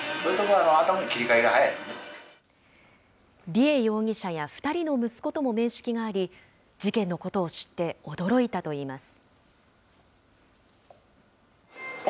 梨恵容疑者や２人の息子とも面識があり、事件のことを知って、驚いたといいます。